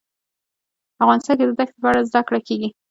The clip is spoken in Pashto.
افغانستان کې د دښتې په اړه زده کړه کېږي.